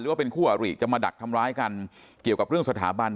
ว่าเป็นคู่อริจะมาดักทำร้ายกันเกี่ยวกับเรื่องสถาบัน